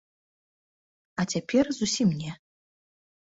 А цяпер зусім не.